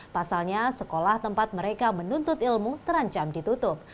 pasalnya sekolah tempat mereka menuntut ilmu terancam ditutup